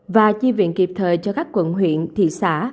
và chi viện kịp thời cho các quận huyện thị xã